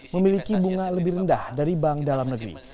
memiliki bunga lebih rendah dari bank dalam negeri